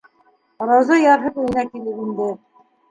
- Рауза ярһып өйөнә килеп инде.